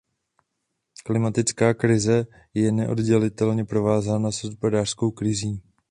Klimatická krize je neoddělitelně provázána s hospodářskou krizí.